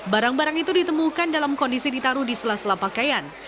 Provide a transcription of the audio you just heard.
barang barang itu ditemukan dalam kondisi ditaruh di sela sela pakaian